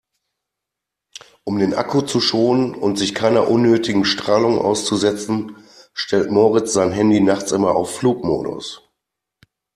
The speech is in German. Um den Akku zu schonen und sich keiner unnötigen Strahlung auszusetzen, stellt Moritz sein Handy nachts immer auf Flugmodus.